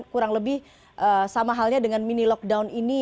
kurang lebih sama halnya dengan mini lockdown ini